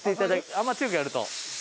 あんまり強くやると。